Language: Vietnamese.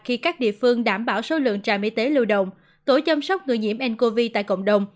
khi các địa phương đảm bảo số lượng trạm y tế lưu động tổ chăm sóc người nhiễm ncov tại cộng đồng